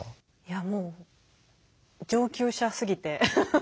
もう上級者すぎて。